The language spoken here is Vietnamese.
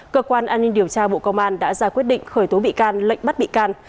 cơ quan an ninh điều tra bộ công an đã ra quyết định khởi tố bị can lệnh bắt bị can